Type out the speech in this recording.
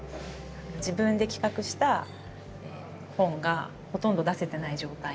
自分で企画した本がほとんど出せてない状態の。